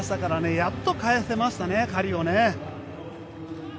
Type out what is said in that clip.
やっと返せましたね、借りを。